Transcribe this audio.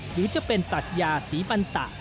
หรือจะเป็นปรัชญาศรีปันตะ